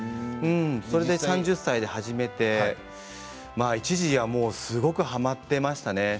それで３０歳で始めて一時はもう、すごくはまっていましたね。